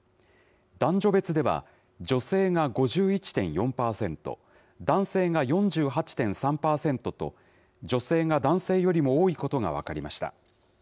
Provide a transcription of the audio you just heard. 男女別では、女性が５１．４％、男性が４８．３％と、女性が男性よりも多いことが分かりました。